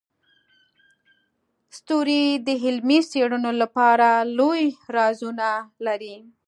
ستوري د علمي څیړنو لپاره لوی رازونه لري.